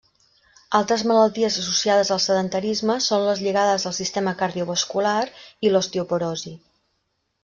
Altres malalties associades al sedentarisme són les lligades al sistema cardiovascular i l'osteoporosi.